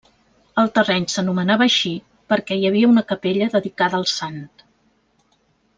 El terreny s'anomenava així perquè hi havia una capella dedicada al sant.